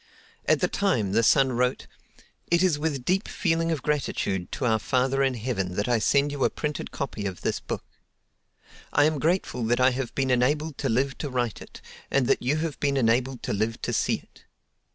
At the time the son wrote: It is with deep feeling of gratitude to Our Father in Heaven that I send you a printed copy of this book. I am grateful that I have been enabled to live to write it, and that you have been enabled to live to see it.